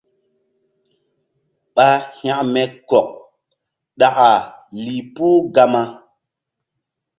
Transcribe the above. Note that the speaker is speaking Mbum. Ɓa hȩkme kɔk ɗaka lih puh Gama.